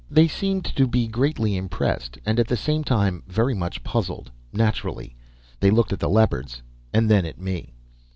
They seemed to be greatly impressed; and at the same time, very much puzzled. Naturally. They looked at the Leopards, and then at me.